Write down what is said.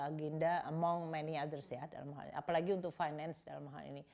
agenda among many others ya apalagi untuk finance dalam hal ini